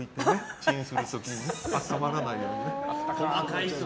チンする時に温まらないようにね。